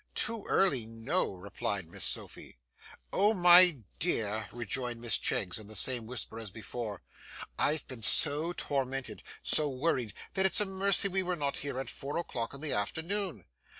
'Too early, no!' replied Miss Sophy. 'Oh, my dear,' rejoined Miss Cheggs in the same whisper as before, 'I've been so tormented, so worried, that it's a mercy we were not here at four o'clock in the afternoon.